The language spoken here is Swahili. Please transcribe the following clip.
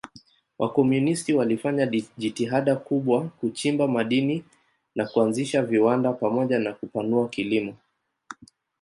Wakomunisti walifanya jitihada kubwa kuchimba madini na kuanzisha viwanda pamoja na kupanua kilimo.